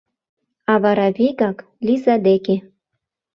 А вара вигак — Лиза деке.